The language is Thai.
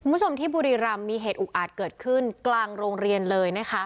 คุณผู้ชมที่บุรีรำมีเหตุอุกอาจเกิดขึ้นกลางโรงเรียนเลยนะคะ